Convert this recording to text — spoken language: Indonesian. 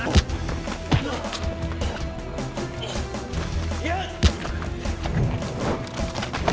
kau mau ke kota ini